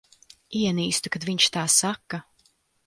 Ienīstu, kad viņš tā saka.